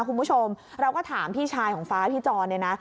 คุณผู้ชมเราก็ถามพี่ชายของฟ้าพี่จรเนี่ยนะ